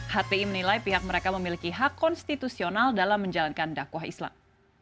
hti menilai pihak mereka memiliki hak konstitusional dalam menjalankan dakwah islam